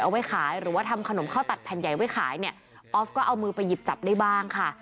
เอาไว้ขายหรือว่าทำขนมข้าวตัดแผ่นใหญ่ไว้ขายเนี่ยออฟก็เอามือไปหยิบจับได้บ้างค่ะ